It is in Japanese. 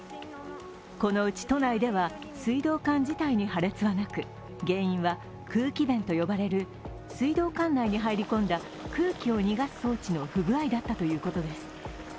このうち都内では水道管自体に破裂はなく、原因は空気弁と呼ばれる水道管内に入り込んだ空気を逃がす装置の不具合だったということです。